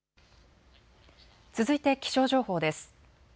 続いて気象情報です。